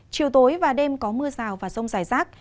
chiều tối và đêm có mưa rào và rông rải rác